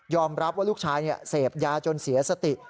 รับว่าลูกชายเสพยาจนเสียสติ